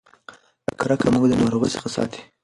کرکه موږ د ناروغۍ څخه ساتي.